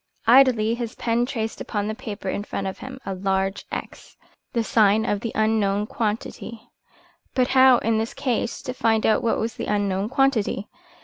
Idly his pen traced upon the paper in front of him a large X, the sign of the unknown quantity. But how, in this case, to find out what was the unknown quantity?